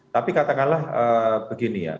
tapi katakanlah begini ya